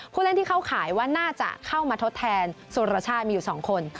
ผู้เล่นที่เข้าข่ายว่าน่าจะเข้ามาทดแทนสุรชาติมีอยู่๒คน